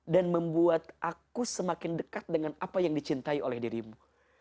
dan membuat aku semakin dekat dengan apa yang dicintai oleh dirimu